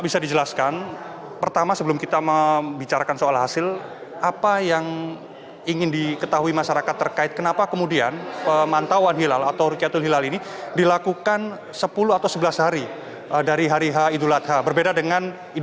selamat malam pak hasan